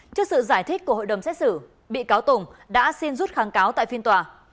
trước sự giải thích của hội đồng xét xử bị cáo tùng đã xin rút kháng cáo tại phiên tòa